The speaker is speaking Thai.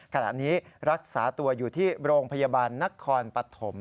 ขณะนี้รักษาตัวอยู่ที่โรงพยาบาลนครปฐม